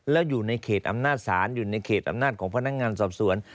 แล้วอยู่ในเขตอำนาจศาลอยู่ในเขตอำนาจของพนักงานสอบสวน